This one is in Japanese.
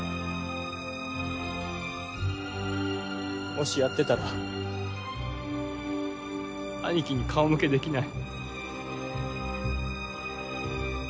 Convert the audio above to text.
もしやってたら兄貴に顔向けできない。